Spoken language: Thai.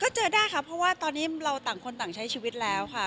เจอได้ครับเพราะว่าตอนนี้เราต่างคนต่างใช้ชีวิตแล้วค่ะ